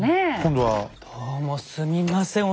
どうもすみません。